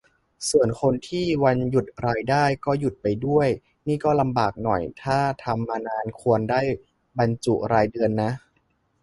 ส่วนคนที่วันหยุดรายได้ก็หยุดไปด้วยนี่ก็ลำบากหน่อย ถ้าทำมานานควรได้บรรจุรายเดือนนะ